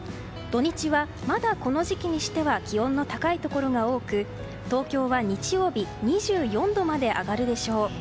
土日は、まだこの時期にしては気温の高いところが多く東京は日曜日２４度まで上がるでしょう。